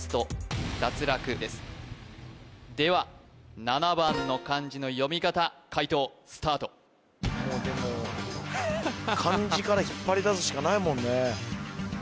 では７番の漢字の読み方解答スタートでも漢字から引っ張り出すしかないもんね